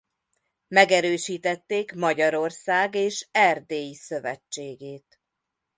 Megerősítették Magyarország és Erdély szövetségét.